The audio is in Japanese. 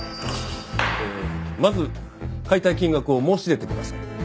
えーまず買いたい金額を申し出てください。